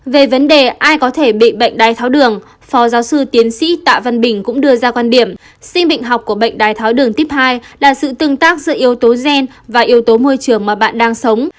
về vấn đề ai có thể bị bệnh đai tháo đường phó giáo sư tiến sĩ tạ văn bình cũng đưa ra quan điểm sinh bệnh học của bệnh đai tháo đường tuyếp hai là sự tương tác giữa yếu tố gen và yếu tố môi trường mà bạn đang sống